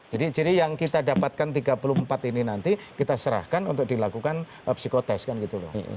jadi yang kita dapatkan tiga puluh empat ini nanti kita serahkan untuk dilakukan psikotest kan gitu loh